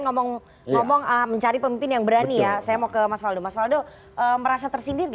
ngomong ngomong a mencari pemimpin yang berani ya saya mau ke maswal maswal do merasa tersindir